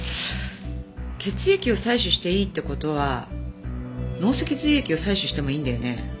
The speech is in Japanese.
血液を採取していいって事は脳脊髄液を採取してもいいんだよね？